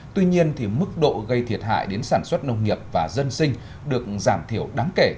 tuy nhiên mức độ gây thiệt hại đến sản xuất nông nghiệp và dân sinh được giảm thiểu đáng kể